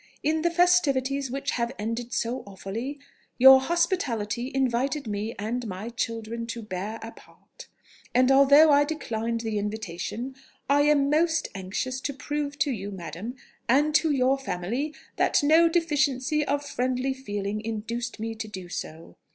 In the festivities which have ended so awfully, your hospitality invited me and my children to bear a part; and although I declined the invitation, I am most anxious to prove to you, madam, and to your family, that no deficiency of friendly feeling induced me to do so.